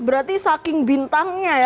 berarti saking bintangnya ya